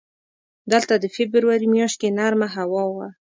دلته د فبروري میاشت کې نرمه هوا وه.